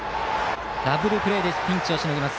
ダブルプレーでピンチをしのぎます。